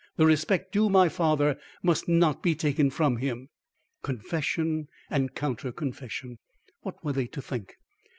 The respect due my father must not be taken from him." Confession and counter confession! What were they to think!